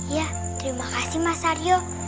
ya terima kasih mas aryo